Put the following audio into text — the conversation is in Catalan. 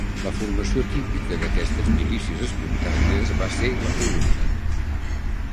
La formació típica d'aquestes milícies espontànies va ser la columna.